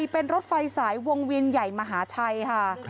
เป็นรถไฟสายวงเวียนใหญ่มหาชัยค่ะ